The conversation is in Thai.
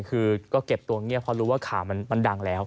คือก็เก็บตัวเงียบเพราะรู้ว่าข่าวมันดังแล้ว